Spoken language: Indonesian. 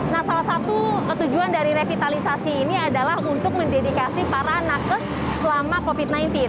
nah salah satu tujuan dari revitalisasi ini adalah untuk mendedikasi para nakes selama covid sembilan belas